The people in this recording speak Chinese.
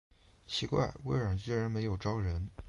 奇怪，微软居然没有招人